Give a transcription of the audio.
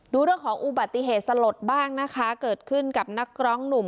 ดูเรื่องของอุบัติเหตุสลดบ้างนะคะเกิดขึ้นกับนักร้องหนุ่ม